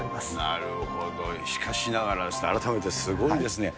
なるほど、しかしながら、改めてすごいですね。